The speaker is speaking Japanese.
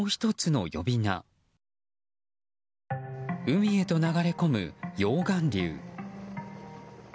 海へと流れ込む溶岩流。